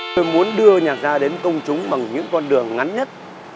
tôi muốn đưa nhạc ra đến công chúng bằng những con đường ngắn nhất